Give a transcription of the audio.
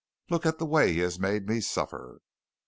Look at the way he has made me suffer."